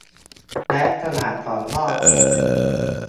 และขนาดของรอบอก